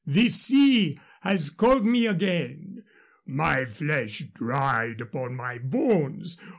The sea has called me again. My flesh dried upon my bones.